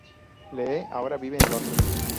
Lee ahora vive en Londres.